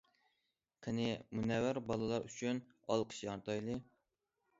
قېنى، مۇنەۋۋەر بالىلار ئۈچۈن ئالقىش ياڭرىتايلى!